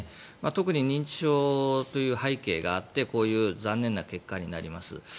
特に認知症という背景があってこういう残念な結果になります。